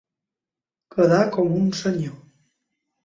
Quedar com un senyor.